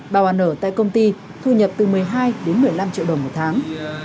bà nở tại công ty thu nhập từ một mươi hai đến một mươi năm triệu đồng một tháng